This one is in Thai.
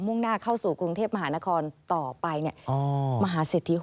มุ่งหน้าเข้าสู่กรุงเทพมหานครต่อไป